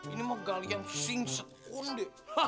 ini mah galian singsekonde